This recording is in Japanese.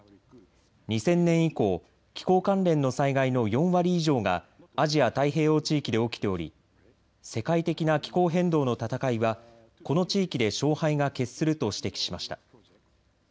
２０００年以降、気候関連の災害の４割以上がアジア太平洋地域で起きており世界的な気候変動の闘いはこの地域で勝敗が決すると指摘しました。